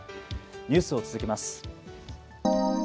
ニュースを続けます。